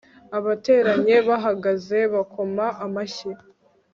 abateranye bahagaze bakoma amashyi